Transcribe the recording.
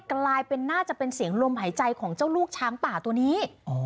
กลายเป็นน่าจะเป็นเสียงลมหายใจของเจ้าลูกช้างป่าตัวนี้